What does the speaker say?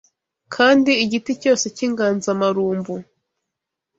kandi igiti cyose cy’inganzamarumbu